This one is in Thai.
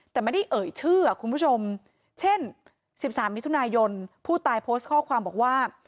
แต่ไม่ได้เอ่ยชื่อคุณผู้ชมเช่น๑๓มิถุนายนผู้ตายโพสต์ข้อความบอกว่า